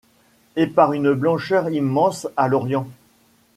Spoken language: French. Et par une blancheur immense à l'orient.